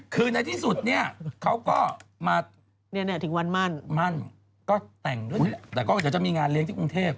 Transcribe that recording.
คือในที่สุดเนี่ยเขาก็มามั่นมั่นก็แต่งด้วยแต่ก็จะมีงานเลี้ยงที่กรุงเทพฯ